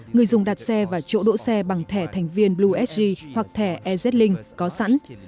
người dùng đặt xe và chỗ đỗ xe bằng thẻ thành viên bluesg hoặc thẻ ez ling có sẵn